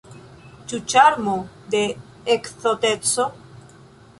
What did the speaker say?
Ĉu ĉarmo de ekzoteco?